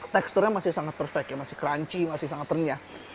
teksturnya masih sangat perfect masih crunchy masih sangat ternyah